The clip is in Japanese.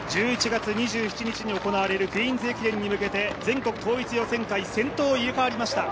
１１月２７日に行われるクイーンズ駅伝に向けて全国統一予選会、先頭が入れ代わりました。